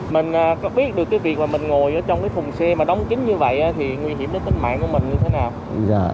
mình có biết được cái việc mà mình ngồi ở trong cái thùng xe mà đóng kính như vậy thì nguy hiểm đến tính mạng của mình như thế nào